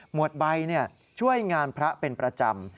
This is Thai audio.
วดใบช่วยงานพระเป็นประจำ